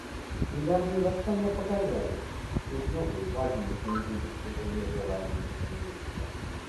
Недавние восстания показали, что существуют новые, важные механизмы достижения желаемых изменений.